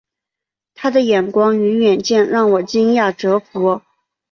他的眼光与远见让我惊讶折服